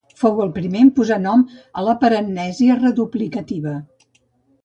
Fou el primer en posar nom a la paramnèsia reduplicativa.